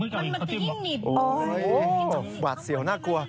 โอ้โหหวาดเสียวน่ากลัว